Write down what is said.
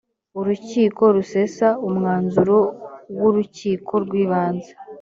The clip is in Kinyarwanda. urukiko rusesa umwanzuro w ‘urukiko rw’ibanze .